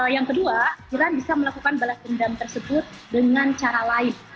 yang kedua quran bisa melakukan balas dendam tersebut dengan cara lain